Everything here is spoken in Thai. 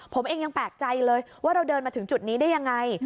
ผมเองยังแปลกใจเลยว่าเราเดินมาถึงจุดนี้ได้ยังไง